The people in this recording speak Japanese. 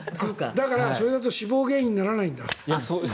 それだと死亡原因にならないんだ。